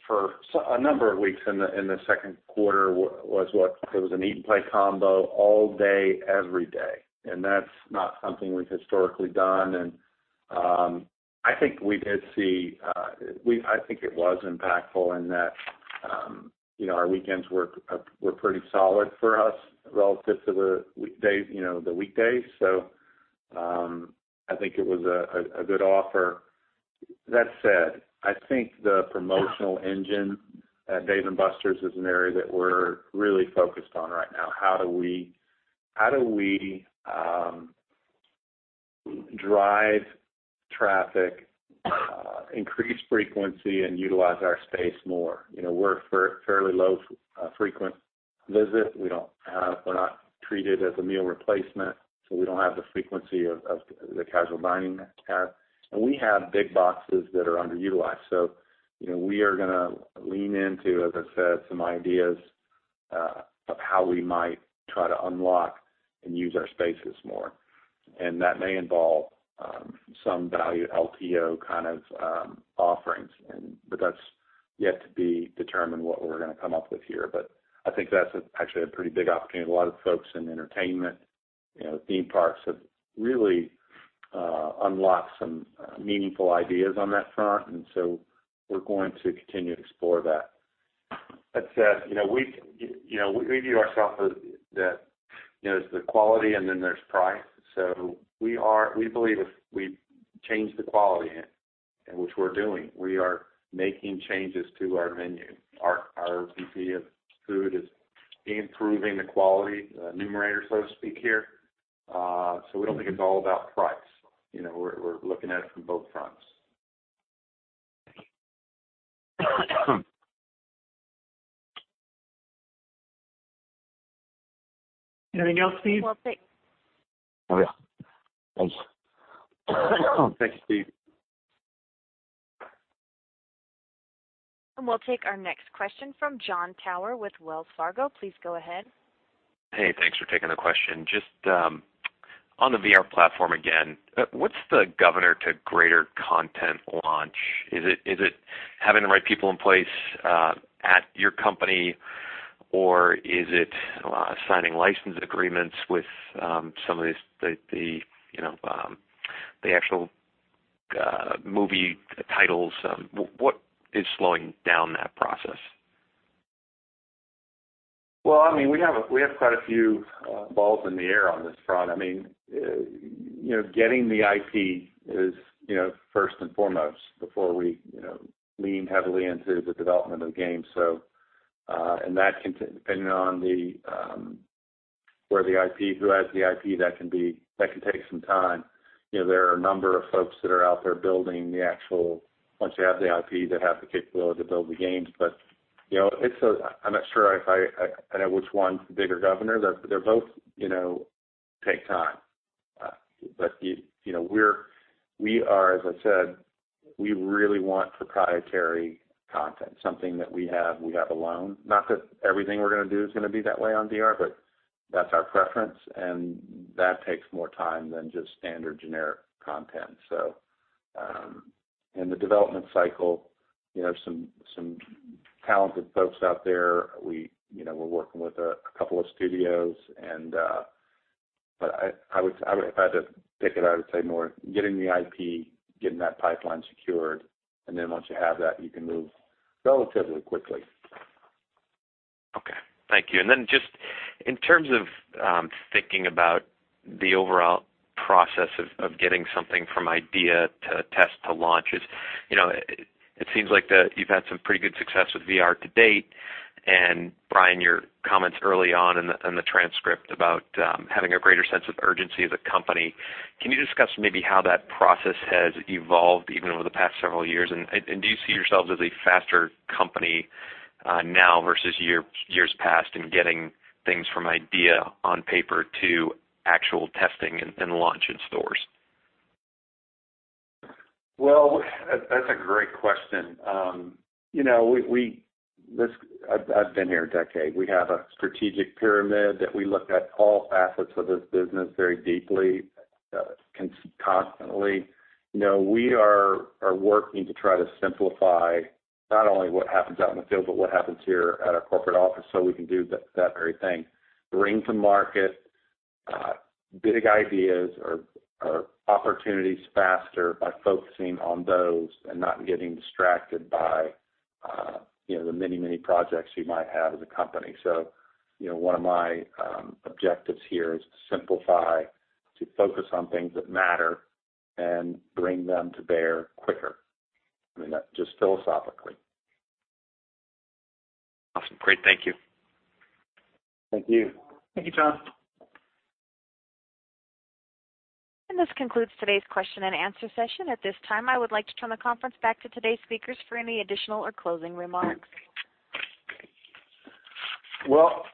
for a number of weeks in the second quarter was what, it was an Eat & Play Combo all day, every day. That's not something we've historically done. I think it was impactful in that our weekends were pretty solid for us relative to the weekdays. I think it was a good offer. That said, I think the promotional engine at Dave & Buster's is an area that we're really focused on right now. How do we drive traffic, increase frequency, and utilize our space more? We're a fairly low frequent visit. We're not treated as a meal replacement, so we don't have the frequency of the casual dining crowd. We have big boxes that are underutilized. We are going to lean into, as I said, some ideas of how we might try to unlock and use our spaces more. That may involve some value LTO kind of offerings, but that's yet to be determined what we're going to come up with here. I think that's actually a pretty big opportunity. A lot of folks in entertainment, theme parks, have really unlocked some meaningful ideas on that front. We're going to continue to explore that. That said, we view ourselves as there's the quality and then there's price. We believe if we change the quality, and which we're doing, we are making changes to our menu. Our VP of food is improving the quality numerator, so to speak here. We don't think it's all about price. We're looking at it from both fronts. Anything else, Steve? No. Thanks. Thanks, Steve. We'll take our next question from Jon Tower with Wells Fargo. Please go ahead. Hey, thanks for taking the question. Just on the VR platform again, what's the governor to greater content launch? Is it having the right people in place at your company or is it signing license agreements with some of the actual movie titles? What is slowing down that process? Well, we have quite a few balls in the air on this front. Getting the IP is first and foremost before we lean heavily into the development of games. That can depend on who has the IP, that can take some time. There are a number of folks that are out there building the actual, once you have the IP, that have the capability to build the games. I'm not sure if I know which one's the bigger governor. They both take time. We are, as I said, we really want proprietary content, something that we have alone. Not that everything we're going to do is going to be that way on VR, but that's our preference, and that takes more time than just standard generic content. In the development cycle, some talented folks out there, we're working with a couple of studios. If I had to pick it, I would say more getting the IP, getting that pipeline secured, and then once you have that, you can move relatively quickly. Okay. Thank you. Just in terms of thinking about the overall process of getting something from idea to test to launches. It seems like you've had some pretty good success with VR to date. Brian, your comments early on in the transcript about having a greater sense of urgency as a company. Can you discuss maybe how that process has evolved even over the past several years? Do you see yourselves as a faster company now versus years past in getting things from idea on paper to actual testing and launch in stores? Well, that's a great question. I've been here a decade. We have a strategic pyramid that we look at all facets of this business very deeply, constantly. We are working to try to simplify not only what happens out in the field, but what happens here at our corporate office, so we can do that very thing. Bring to market big ideas or opportunities faster by focusing on those and not getting distracted by the many, many projects you might have as a company. One of my objectives here is to simplify, to focus on things that matter and bring them to bear quicker. I mean, that just philosophically. Awesome. Great. Thank you. Thank you. Thank you, Jon. This concludes today's question and answer session. At this time, I would like to turn the conference back to today's speakers for any additional or closing remarks. Well,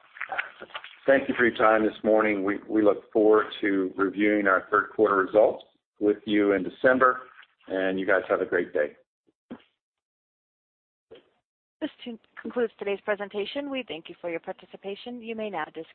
thank you for your time this morning. We look forward to reviewing our third quarter results with you in December. You guys have a great day. This concludes today's presentation. We thank you for your participation. You may now disconnect.